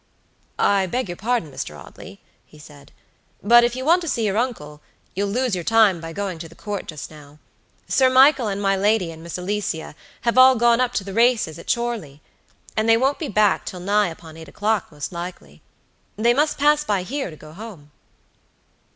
"I beg your pardon, Mr. Audley," he said, "but if you want to see your uncle, you'll lose your time by going to the Court just now. Sir Michael and my lady and Miss Alicia have all gone to the races up at Chorley, and they won't be back till nigh upon eight o'clock, most likely. They must pass by here to go home."